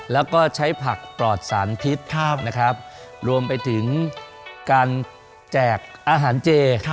แล้วก็ใช้ผักปลอดสารพิษนะครับรวมไปถึงการแจกอาหารเจ